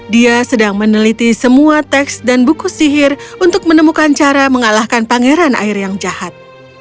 dia sedang meneliti semua teks dan buku sihir untuk menemukan cara mengalahkan pangeran air yang jahat